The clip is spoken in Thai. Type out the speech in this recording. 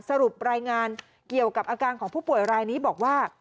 สรุปรายงานเกี่ยวกับอาการของผู้ป่วยรายนี้บอกว่า